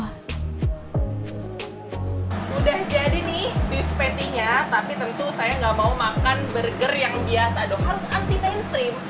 sudah jadi nih beef patty nya tapi tentu saya nggak mau makan burger yang biasa dong harus anti mainstream